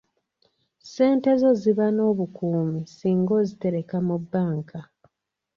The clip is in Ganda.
Ssente zo ziba n'obukuumi singa ozitereka mu banka.